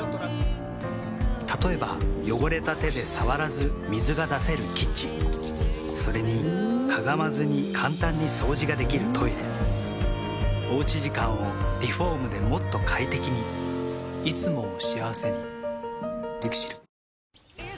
例えば汚れた手で触らず水が出せるキッチンそれにかがまずに簡単に掃除ができるトイレおうち時間をリフォームでもっと快適にいつもを幸せにＬＩＸＩＬ。